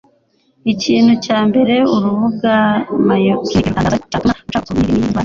Ikintu cya mbere urubuga mayoclinic rutangaza cyatuma uca ukuniri n'iyi ndwara,